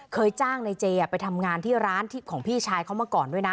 จ้างในเจไปทำงานที่ร้านของพี่ชายเขามาก่อนด้วยนะ